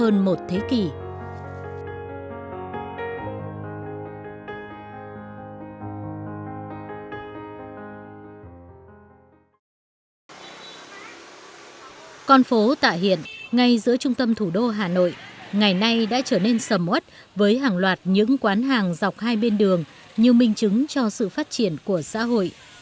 ngay giữa trung tâm thủ đô hà nội ngày nay đã trở nên sầm út với hàng loạt những quán hàng dọc hai bên đường như minh chứng cho sự phát triển của xã hội